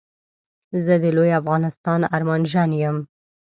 زه د لوي افغانستان ارمانژن يم